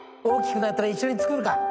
大きくなったら一緒に作るか。